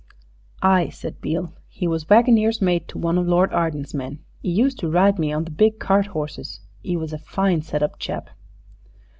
"Ay," said Beale; "he was wagoner's mate to one of Lord Arden's men. 'E used to ride me on the big cart horses. 'E was a fine set up chap."